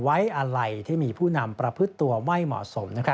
ไว้อะไรที่มีผู้นำประพฤติตัวไม่เหมาะสม